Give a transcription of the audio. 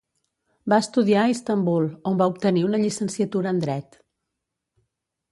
Va estudiar a Istanbul, on va obtenir una llicenciatura en dret.